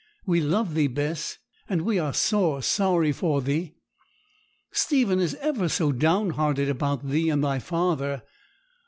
We love thee, Bess; and we are sore sorry for thee. Stephen is ever so down hearted about thee and thy father.